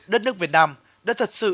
đất nước việt nam đã thật sự